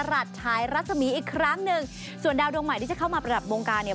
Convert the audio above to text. รัชชายรัศมีอีกครั้งหนึ่งส่วนดาวดวงใหม่ที่จะเข้ามาประดับวงการเนี่ย